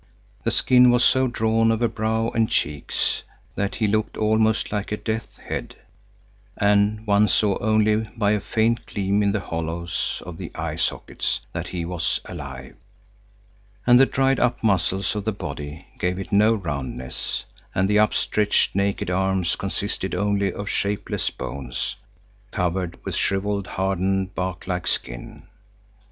The skin was so drawn over brow and cheeks, that he looked almost like a death's head, and one saw only by a faint gleam in the hollows of the eye sockets that he was alive. And the dried up muscles of the body gave it no roundness, and the upstretched, naked arms consisted only of shapeless bones, covered with shrivelled, hardened, bark like skin.